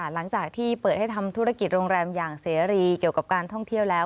หลังจากที่เปิดให้ทำธุรกิจโรงแรมอย่างเสรีเกี่ยวกับการท่องเที่ยวแล้ว